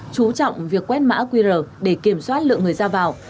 chú trọng việc quét mã qr để kiểm soát lượng người ra vào